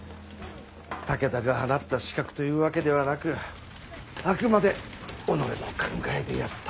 武田が放った刺客というわけではなくあくまで己の考えでやったということは。